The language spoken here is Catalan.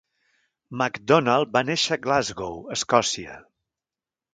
Macdonald va néixer a Glasgow, Escòcia.